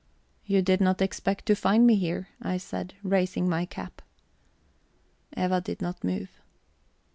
"You did not expect to find me here," I said, raising my cap. Eva did not move.